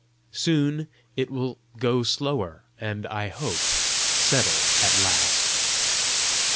Soon it will go slower, and, I hope, settle at last."